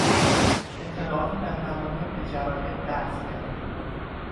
اطلاعات محرمانه به جراید درز کرد.